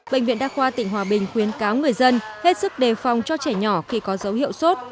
bệnh viện đa khoa tỉnh hòa bình khuyến cáo người dân hết sức đề phòng cho trẻ nhỏ khi có dấu hiệu sốt